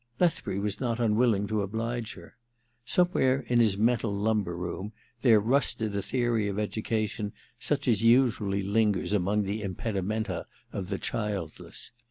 Lethbury was not unwilling to oblige her. Somewhere in his mental lumber room there rusted a theory of education such as usually lingers among the impedimenta of the childless.